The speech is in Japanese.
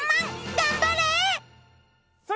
頑張れ！